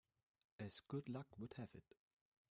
As good luck would have it